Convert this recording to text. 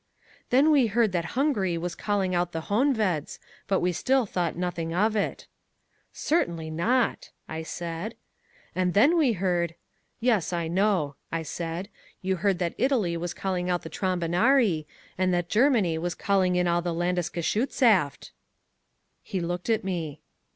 "Then we heard that Hungary was calling out the Honveds, but we still thought nothing of it." "Certainly not," I said. "And then we heard " "Yes, I know," I said, "you heard that Italy was calling out the Trombonari, and that Germany was calling in all the Landesgeschutzshaft." He looked at me.